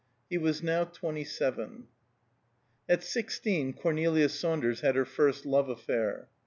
He was now twenty seven. At sixteen Cornelia Saunders had her first love affair.